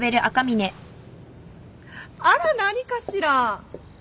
あら何かしら。